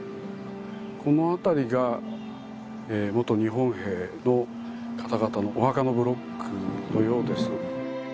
この辺りが日本兵の方々のお墓のブロックのようです。